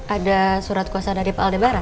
ada surat kuasa dari pak aldebaran